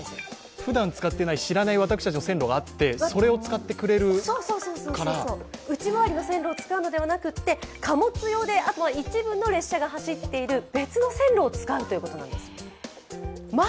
ふだん使っていない、私たちの知らない線路があって、内回りの線路を使うのではなくて貨物用で一部の列車が走っている別の線路を使うということなんです。